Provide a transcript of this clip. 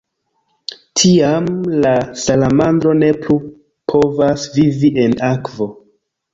Tiam, la salamandro ne plu povas vivi en akvo.